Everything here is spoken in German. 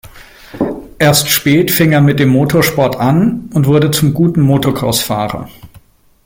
Erst spät fing er mit dem Motorsport an und wurde zum guten Motocross-Fahrer.